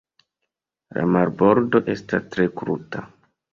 La marbordo estas tre kruta.